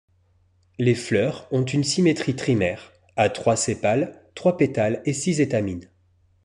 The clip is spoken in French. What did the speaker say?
Les fleurs ont une symétrie trimère, à trois sépales, trois pétales et six étamines.